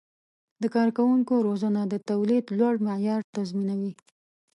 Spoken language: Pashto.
د کارکوونکو روزنه د تولید لوړ معیار تضمینوي.